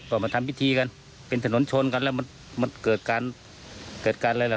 ก็มาทำพิธีกันเป็นถนนชนกันแล้วมันมันเกิดการเกิดการอะไรล่ะ